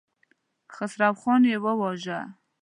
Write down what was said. خسروخان يې وواژه.